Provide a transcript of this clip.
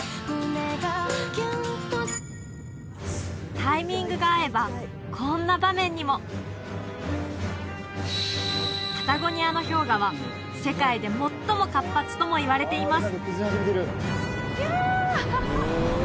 タイミングが合えばこんな場面にもパタゴニアの氷河は世界で最も活発ともいわれています